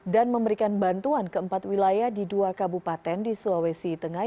dan memberikan bantuan keempat wilayah di dua kabupaten di sulawesi tengah